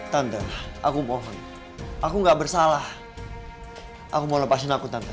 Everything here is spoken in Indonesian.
tante aku mohon aku gak bersalah aku mau lepasin aku tante